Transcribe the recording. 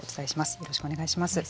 よろしくお願いします。